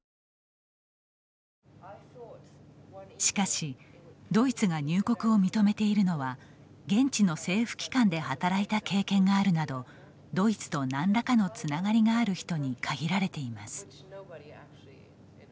しかしドイツが入国を認めているのは現地の政府機関で働いた経験があるなどドイツと何らかのつながりがある人に限られています。